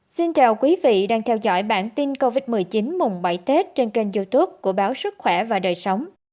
xin chào quý vị đang theo dõi bản tin covid một mươi chín mùng bảy tết trên kênh youtube của báo sức khỏe và đời sống